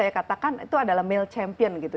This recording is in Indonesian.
saya katakan itu adalah mill champion gitu